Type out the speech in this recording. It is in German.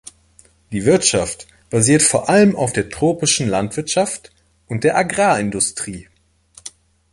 Die Wirtschaft basiert vor allem auf der tropischen Landwirtschaft und der Agrarindustrie.